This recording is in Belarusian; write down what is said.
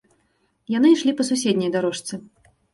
Яны ішлі па суседняй дарожцы.